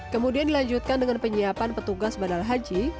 kemudian dilanjutkan dengan penyiapan petugas badal haji